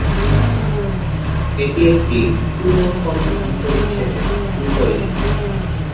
এটি একটি তুলা উৎপাদন অঞ্চল হিসেবে সুপরিচিত।